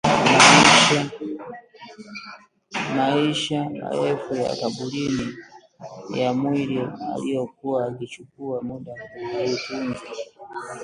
Maisha marefu ya kaburini ya mwili aliokuwa akichukua muda kuutunza sasa